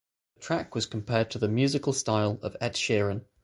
The track was compared to the musical style of Ed Sheeran.